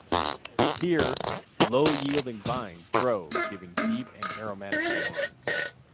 Here, low-yielding vines grow giving deep and aromatic wines.